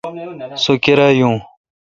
سو کیرا یون۔